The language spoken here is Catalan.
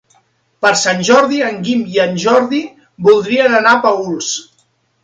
Per Sant Jordi en Guim i en Jordi voldrien anar a Paüls.